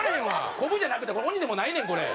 こぶじゃなくて鬼でもないねんこれ。